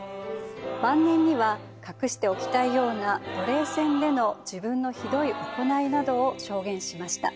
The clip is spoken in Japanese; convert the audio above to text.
晩年には隠しておきたいような奴隷船での自分のひどい行いなどを証言しました。